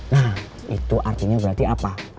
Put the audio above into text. nah itu artinya berarti apa